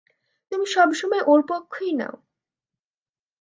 তুমি সবসময় ওর পক্ষই নাও।